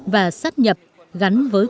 và sát nhập gắn với